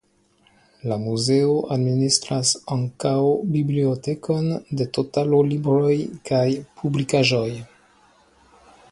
La muzeo administras ankaŭ bibliotekon de totalo de libroj kaj publikaĵoj.